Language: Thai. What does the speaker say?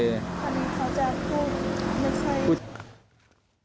ตอนนี้เขาจะพูดไม่ใช่